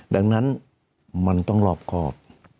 ดังนั้นมันต้องรอบครอบ